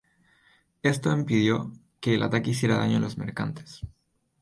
Esto impidió que el ataque hiciera daño a los mercantes.